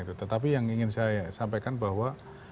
tetapi yang ingin saya sampaikan bahwa